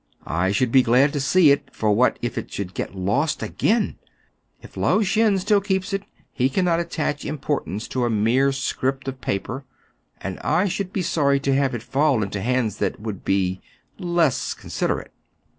I should be glad to see it ; for what if it should get lost again t If Lao Shen still keeps it, he cannot attach importance to a mere scrip of paper ; and I should be sorry to have it fall into hands that would be — less considerate.